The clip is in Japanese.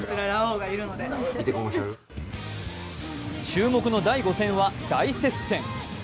注目の第５戦は大接戦。